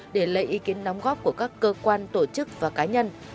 để lấy ý kiến đóng góp của các cơ quan tổ chức và cá nhân